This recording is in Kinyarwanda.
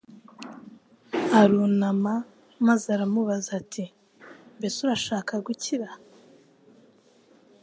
aruruama maze aramubaza ati: "Mbese urashaka gukira?"